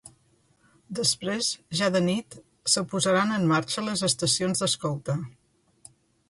Després, ja de nit, se posaran en marxa les estacions d’escolta.